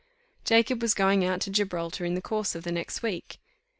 Jacob was going out to Gibraltar in the course of the next week.